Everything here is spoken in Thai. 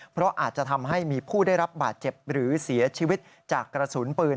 เพราะอาจจะทำให้มีผู้ได้รับบาดเจ็บหรือเสียชีวิตจากกระสุนปืน